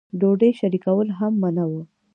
ډوډۍ شریکول هم منع وو.